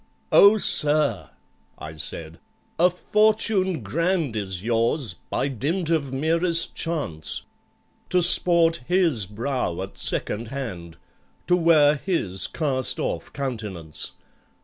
"Oh, sir," I said, "a fortune grand Is yours, by dint of merest chance,— To sport his brow at second hand, To wear his cast off countenance!